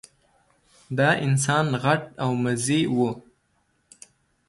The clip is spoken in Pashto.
دا انسانان غټ او مزي وو.